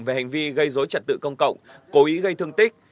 về hành vi gây dối trật tự công cộng cố ý gây thương tích